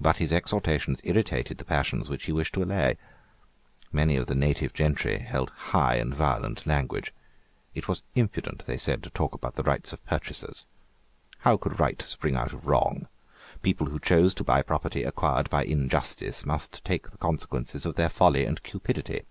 But his exhortations irritated the passions which he wished to allay. Many of the native gentry held high and violent language. It was impudent, they said, to talk about the rights of purchasers. How could right spring out of wrong? People who chose to buy property acquired by injustice must take the consequences of their folly and cupidity.